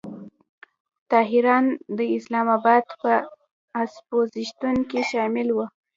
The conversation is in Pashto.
ظاهراً د اسلام آباد په اپوزیسیون کې شامل و.